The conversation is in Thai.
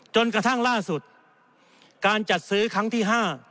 จนกระทั่งล่าสุดการจัดซื้อครั้งที่๕